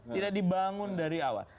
tidak dibangun dari awal